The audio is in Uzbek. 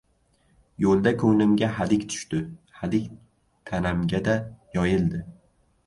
Yo‘lda ko‘nglimga hadik tushdi. Hadik tanamga-da yoyildi.